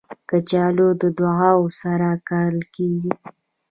کچالو له دعاوو سره کرل کېږي